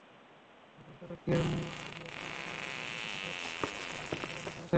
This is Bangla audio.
কিন্তু পরিচালককে অলিভিয়া বলে রেখেছিলেন, তিনি অভিনয় করতে চান পার্শ্বচরিত্র মেলানির ভূমিকায়।